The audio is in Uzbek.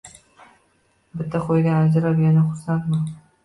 Bitta qo`ydan ajrab, yana xursandmi